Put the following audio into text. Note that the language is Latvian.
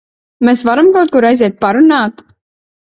Mēs varam kaut kur aiziet parunāt?